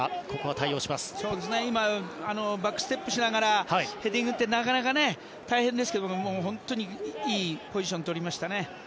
バックステップしながらヘディングってなかなか大変ですけど、本当にいいポジションをとりましたね。